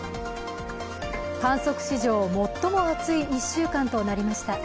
観測史上、最も暑い１週間となりました。